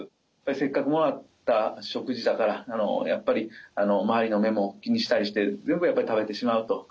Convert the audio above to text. せっかくもらった食事だからやっぱり周りの目も気にしたりして全部やっぱり食べてしまうと。